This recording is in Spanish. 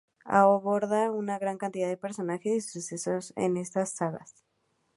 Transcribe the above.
Aborda una gran cantidad de personajes y sucesos en estas sagas.